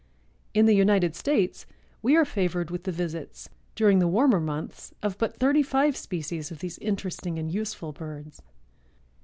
In the United States we are favored with the visits, during the warmer months, of but thirty five species of these interesting and useful birds.